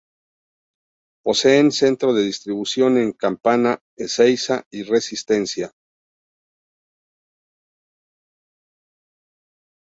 Poseen centros de distribución en Campana, Ezeiza y Resistencia.